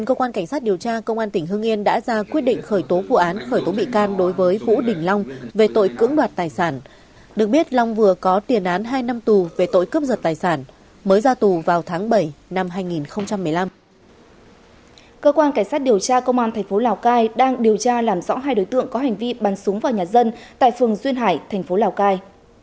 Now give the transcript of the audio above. cơ quan cảnh sát điều tra công an thành phố lào cai đang điều tra làm rõ hai đối tượng có hành vi bắn súng vào nhà dân tại phường duyên hải thành phố lào cai